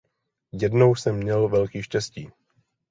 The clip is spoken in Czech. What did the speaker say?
Jednou jsem mel velký štěstí.